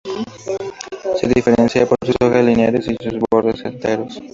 Se diferencia por sus hojas lineares y con los bordes enteros.